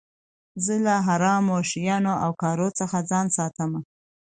زه له حرامو شيانو او کارو څخه ځان ساتم.